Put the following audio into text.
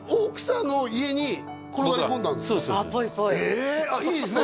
ええいいですね